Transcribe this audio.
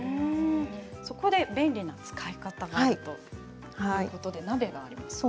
そこで便利な使い方があるということで鍋があります。